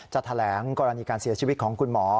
แถลงกรณีการเสียชีวิตของคุณหมอ